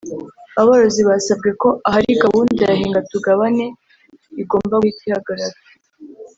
Aborozi basabwe ko ahari gahunda ya hingatugabane igomba guhita ihagarara